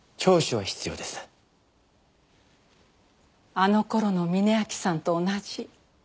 あの頃の峯秋さんと同じ。